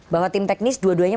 bahwa tim teknis dua duanya